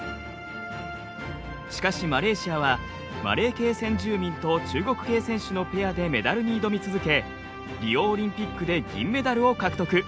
しかしマレーシアはマレー系先住民と中国系選手のペアでメダルに挑み続けリオオリンピックで銀メダルを獲得。